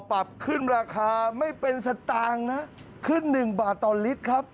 ปรับขึ้นราคาไม่เป็นสตางค์นะขึ้น๑บาทต่อลิตรครับ